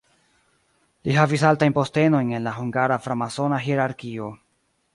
Li havis altajn postenojn en la hungara framasona hierarkio.